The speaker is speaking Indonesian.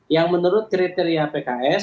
yang menurut kriteria pks